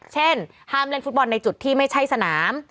เช่นห้ามเล่นฟุตบอลในจุดที่ไม่ใช่สนาม